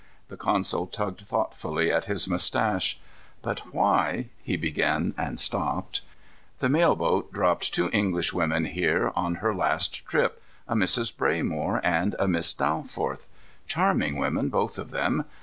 The consul tugged thoughtfully at his mustache. "Now why " he began, and stopped. "The mail boat dropped two Englishwomen here on her last trip, a Mrs. Braymore and a Miss Dalforth. Charming women, both of them.